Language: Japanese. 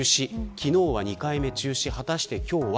昨日は２回目中止果たして今日は。